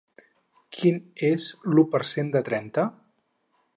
Quin és l'u per cent de trenta?